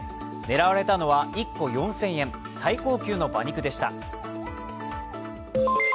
狙われたのは１個４０００円最高級の馬肉でした。